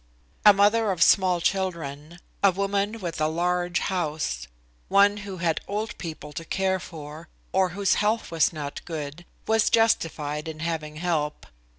A mother of small children, a woman with a large house, one who had old people to care for, or whose health was not good, was justified in having help.